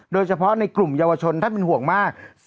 โดยเฉพาะในกลุ่มเยาวชนท่านเป็นห่วงมาก